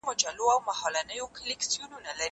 دا اوبه له هغو تازه دي؟!